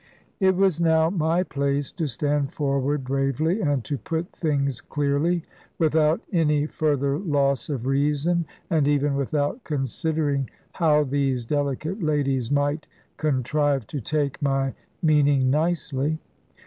It was now my place to stand forward bravely, and to put things clearly; without any further loss of reason, and even without considering how these delicate ladies might contrive to take my meaning nicely.